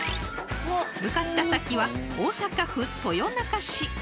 ［向かった先は大阪府豊中市］